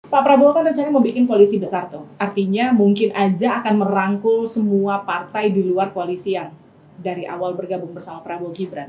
pak prabowo kan rencana mau bikin koalisi besar tuh artinya mungkin aja akan merangkul semua partai di luar koalisi yang dari awal bergabung bersama prabowo gibran